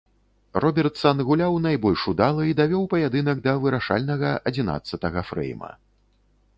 Робертсан гуляў найбольш удала і давёў паядынак да вырашальнага адзінаццатага фрэйма.